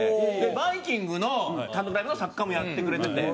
バイきんぐの単独ライブの作家もやってくれてて。